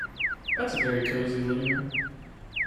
That's a very cosy living room